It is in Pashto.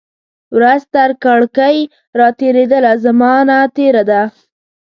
ورځ ترکړکۍ را تیریدله، زمانه تیره ده